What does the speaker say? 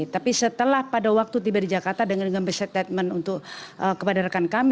tapi setelah pada waktu tiba di jakarta dengan mengambil statement untuk kepada rekan kami